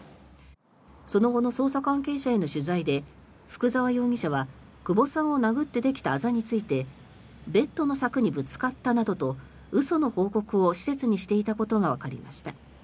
その後の捜査関係者への取材で福澤容疑者は久保さんを殴ってできたあざについてベッドの柵にぶつかったなどと嘘の報告を施設にしていたことがわかりました。